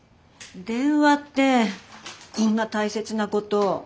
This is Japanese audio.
電話ってこんな大切なこと。